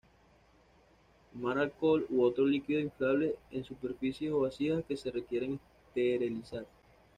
Quemar alcohol u otro líquido inflamable en superficies o vasijas que se quieren esterilizar.